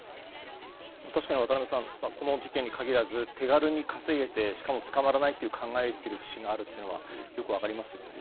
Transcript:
確かに渡辺さんこの事件に限らず手軽に稼げてしかも捕まらないと考えている節があるのがよく分かりましたけども。